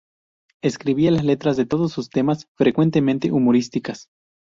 Escribía las letras de todos sus temas, frecuentemente humorísticas.